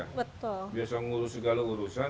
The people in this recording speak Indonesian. biasa ngurus segala urusan